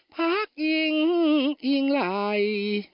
พักอิ่งอิ่งไหล